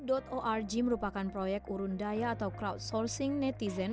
kawalpemilu org merupakan proyek urundaya atau crowdsourcing netizen